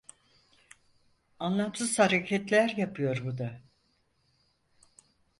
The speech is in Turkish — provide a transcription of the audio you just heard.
Anlamsız hareketler yapıyor bu da...